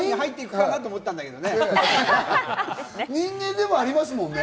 人間でもありますもんね。